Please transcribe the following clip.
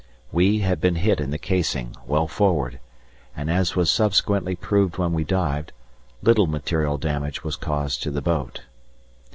We had been hit in the casing, well forward, and, as was subsequently proved when we dived, little material damage was caused to the boat.